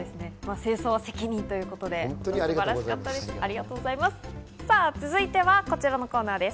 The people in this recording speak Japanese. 清掃責任ということで素晴らしかったです。